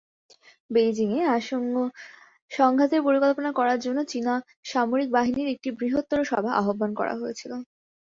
বেইজিংয়ে, আসন্ন সংঘাতের পরিকল্পনা করার জন্য চীনা সামরিক বাহিনীর একটি বৃহত্তর সভা আহ্বান করা হয়েছিল।